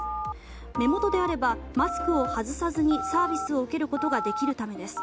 目元であればマスクを外さずにサービスを受けることができるためです。